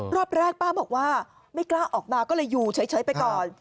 รอบแรกป้าบอกว่าไม่กล้าออกมาก็เลยอยู่เฉยไปก่อน